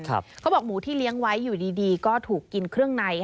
เขาบอกหมูที่เลี้ยงไว้อยู่ดีก็ถูกกินเครื่องใน